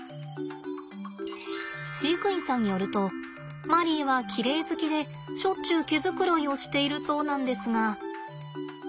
飼育員さんによるとマリーはキレイ好きでしょっちゅう毛繕いをしているそうなんですが。